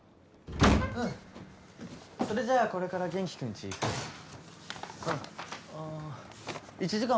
それじゃあこれから元気君ち行く。